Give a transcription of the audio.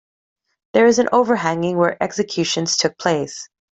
There is an overhanging where executions took place.